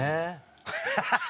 ハハハハ！